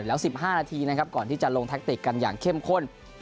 อย่างหลัง๑๕นาทีก่อนที่จะลงแทคติกกันอย่างเข้มข้น